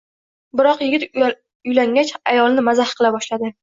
Biroq, yigit uylangach ayolini mazax qila boshladi